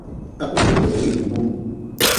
A ku de dɔ̃ɔ wi ù gu.